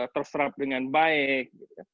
terserap dengan baik